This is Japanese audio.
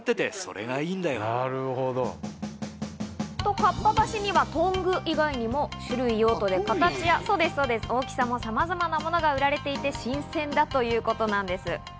と、かっぱ橋にはトング以外にも種類、用途で形や大きさもさまざまな物が売られていて新鮮だということです。